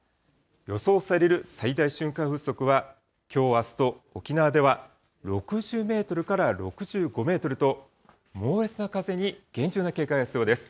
予想される最大瞬間風速は、きょう、あすと沖縄では６０メートルから６５メートルと、猛烈な風に厳重な警戒が必要です。